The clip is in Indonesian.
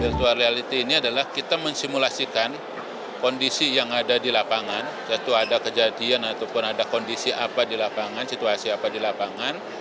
virtual reality ini adalah kita mensimulasikan kondisi yang ada di lapangan yaitu ada kejadian ataupun ada kondisi apa di lapangan situasi apa di lapangan